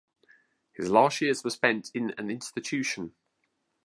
His last years were spent in an institution.